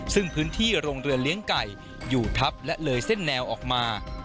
ซึ่งพื้นที่โรงเรือเลี้ยงไก่อยู่ทับและเลยเส้นแนวออกมา